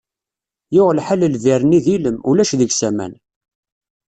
Yuɣ lḥal lbir-nni d ilem, ulac deg-s aman.